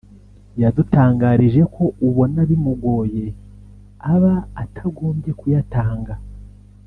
yadutangarije ko ubona bimugoye aba atagombye kuyatanga